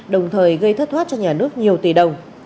đồng thời gây thất thoát cho nhà nước nhiều tỷ đồng